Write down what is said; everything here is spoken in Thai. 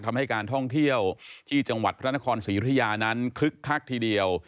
ทำให้การท่องเที่ยวที่จังหวัดพระนครศรียุธยานั้นคึกคักทีเดียว